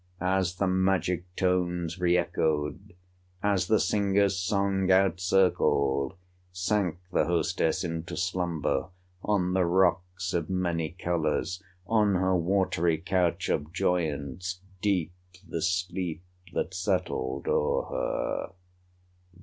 As the magic tones re echoed, As the singer's song out circled, Sank the hostess into slumber, On the rocks of many colors, On her watery couch of joyance, Deep the sleep that settled o'er her.